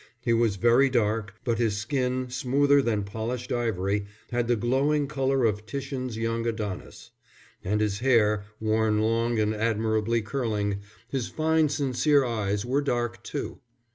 He was very dark, but his skin, smoother than polished ivory, had the glowing colour of Titian's young Adonis; and his hair, worn long and admirably curling, his fine sincere eyes, were dark too.